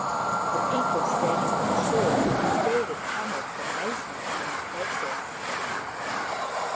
The people standing on the shore stared at Tama with amazement in their faces.